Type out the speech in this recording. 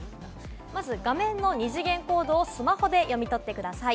画面の二次元コードをスマホで読み取ってください。